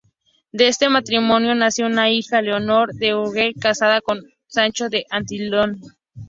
De este matrimonio nació una hija, Leonor de Urgel, casada con Sancho de Antillón.